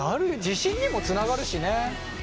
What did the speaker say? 自信にもつながるしね。